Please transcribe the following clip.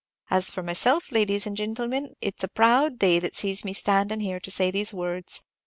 As for myself, ladies and gintlemin, it's a proud day that sees me standin' here to say these words.